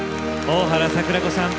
大原櫻子さん